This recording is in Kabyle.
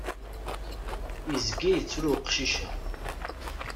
Izga yettru uqcic-a.